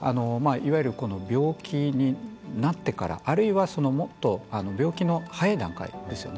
いわゆる病気になってからあるいはもっと病気の早い段階ですね